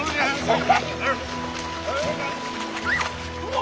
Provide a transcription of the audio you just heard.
お！